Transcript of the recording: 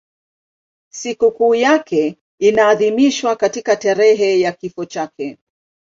Sikukuu yake inaadhimishwa katika tarehe ya kifo chake.